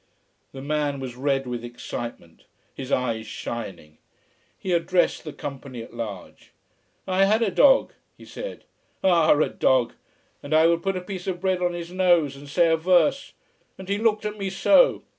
The man was red with excitement, his eyes shining. He addressed the company at large. "I had a dog," he said, "ah, a dog! And I would put a piece of bread on his nose, and say a verse. And he looked at me so!"